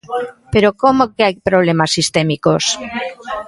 Pero ¿como que hai problemas sistémicos?